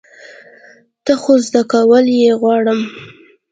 نه، خو زده کول یی غواړم